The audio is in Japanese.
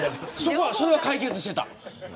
それは解決してた。